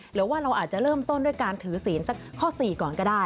หรือว่าเราก็จะเริ่มต้นด้วยการถือสินเข้าสี่ก่อนก็ได้